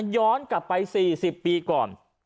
ย้อนกลับไป๔๐ปีก่อน